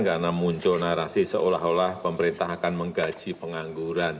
karena muncul narasi seolah olah pemerintah akan menggaji pengangguran